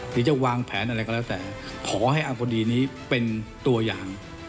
หรือจะวางแผนอะไรก็แล้วแต่ขอให้อังคดีนี้เป็นตัวอย่าง